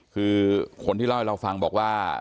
คือคนที่เล่าให้เราฟังบอกว่า